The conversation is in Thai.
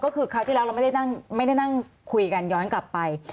ก็คือคราวที่แล้วเราไม่ได้นั่งคุยกันย้อนกลับไป